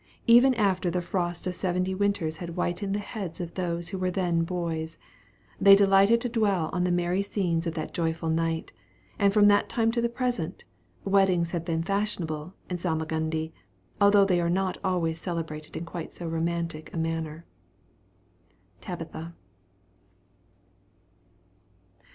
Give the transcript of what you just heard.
Even after the frost of seventy winters had whitened the heads of those who were then boys, they delighted to dwell on the merry scenes of that joyful night; and from that time to the present, weddings have been fashionable in Salmagundi, although they are not always celebrated in quite so romantic a manner. TABITHA.